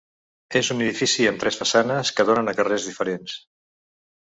És un edifici amb tres façanes que donen a carrers diferents.